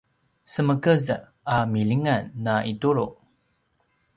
semekez a milingan na itulu